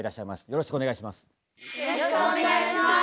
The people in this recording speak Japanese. よろしくお願いします。